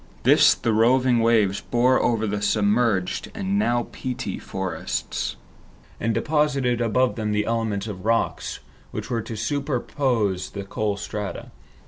This the roving waves bore over the submerged and now peaty forests, and deposited above them the elements of rocks which were to superpose the coal strata.